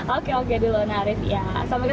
oke oke dulu naku ya sampai ya